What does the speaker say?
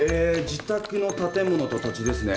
自宅の建物と土地ですね。